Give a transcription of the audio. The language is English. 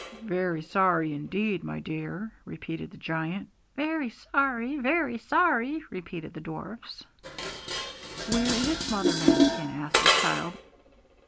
'Very sorry indeed, my dear,' repeated the giant 'Very sorry, very sorry!' re echoed the dwarfs. 'Where is Mother Manikin?' asked the child.